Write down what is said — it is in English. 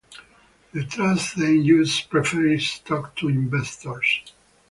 The trust then issues preferred stock to investors.